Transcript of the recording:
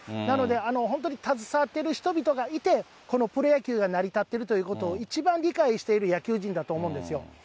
なので、本当に携わっている人々がいて、このプロ野球が成り立っているということを一番理解している野球陣だと思うんですよ。